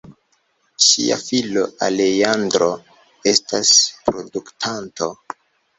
Ŝia filo Alejandro estas produktanto.